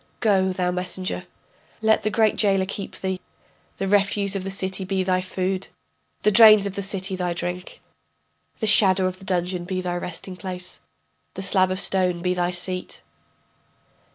Go, thou messenger, Let the great jailer keep thee, The refuse of the city be thy food, The drains of the city thy drink, The shadow of the dungeon be thy resting place, The slab of stone be thy seat.